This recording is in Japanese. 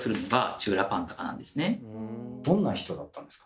どんな人だったんですか？